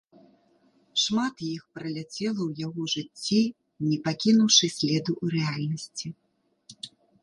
Шмат іх праляцела ў яго жыцці, не пакінуўшы следу ў рэальнасці.